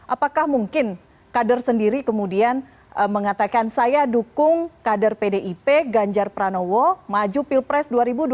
apakah mungkin kader sendiri kemudian mengatakan saya dukung kader pdip ganjar pranowo maju pilpres dua ribu dua puluh